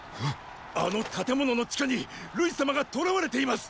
あの建物の地下に瑠衣様が捕らわれています！